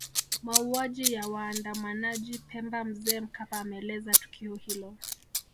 Mauaji ya waandamanaji Pemba Mzee Mkapa ameeleza tukio hilo